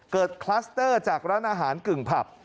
คลัสเตอร์จากร้านอาหารกึ่งผับ